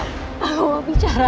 aku mau bicara